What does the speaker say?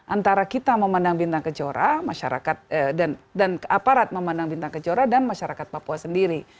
antara kita memandang bintang kejora masyarakat dan aparat memandang bintang kejora dan masyarakat papua sendiri